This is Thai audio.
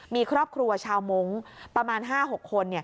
มีครอบครัวชาวมงค์ประมาณ๕๖คน